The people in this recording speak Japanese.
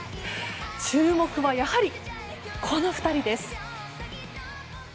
注目はやはり、この２人です。